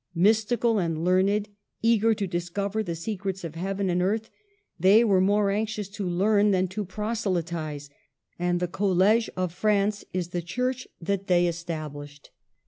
Mystical and learned, eager to discover the secrets of heaven and earth, they were more anxious to learn than to proselytize ; and the College of France is the Church that they established.